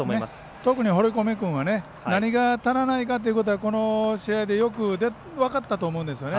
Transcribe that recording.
特に堀米君は何が足らないかというところがこの試合でよく分かったと思うんですね。